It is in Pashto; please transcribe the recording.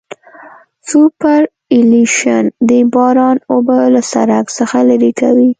سوپرایلیویشن د باران اوبه له سرک څخه لرې کوي